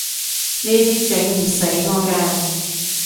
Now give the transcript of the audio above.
呢啲整唔死我㗎